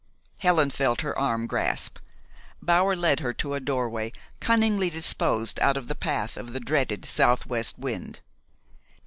Helen felt her arm grasped. Bower led her to a doorway cunningly disposed out of the path of the dreaded southwest wind.